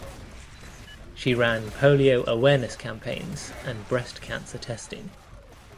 She ran polio awareness campaigns and breast cancer testing.